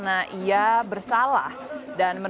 jatian epa jayante